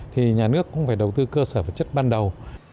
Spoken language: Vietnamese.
thì nhà nước cũng phải đầu tư cơ sở vật chất ban đầu